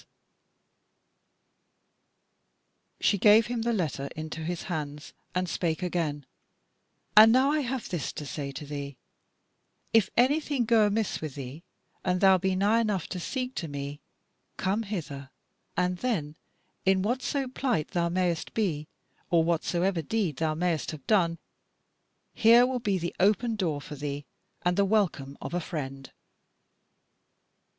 She gave him the letter into his hands, and spake again: "And now I have this to say to thee, if anything go amiss with thee, and thou be nigh enough to seek to me, come hither, and then, in whatso plight thou mayst be, or whatsoever deed thou mayst have done, here will be the open door for thee and the welcome of a friend."